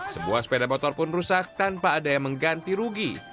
sebuah sepeda motor pun rusak tanpa ada yang mengganti rugi